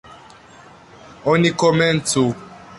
Oni komencu!